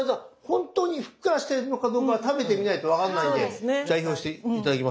本当にふっくらしているのかどうかは食べてみないと分からないので代表して頂きます。